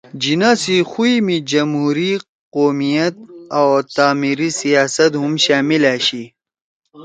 جناح سی خُوئی می جمہوری قومیت او تعمیری سیاست ہُم شامل أشی